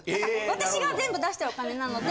私が全部出してるお金なので。